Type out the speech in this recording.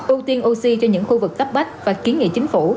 ưu tiên oxy cho những khu vực cấp bách và kiến nghị chính phủ